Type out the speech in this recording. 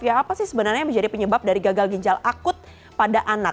ya apa sih sebenarnya yang menjadi penyebab dari gagal ginjal akut pada anak